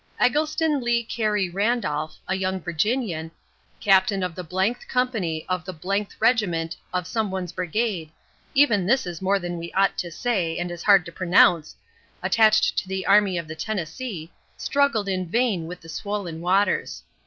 Eggleston Lee Carey Randolph, a young Virginian, captain of the th company of the th regiment of 's brigade even this is more than we ought to say, and is hard to pronounce attached to the Army of the Tennessee, struggled in vain with the swollen waters.